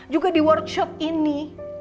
juga di workshop ini